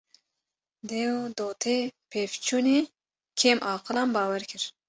Dê û dotê pevçûnî, kêm aqilan bawer kir